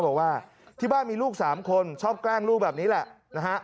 บอกว่าที่บ้านมีลูก๓คนชอบแกล้งลูกแบบนี้แหละนะฮะ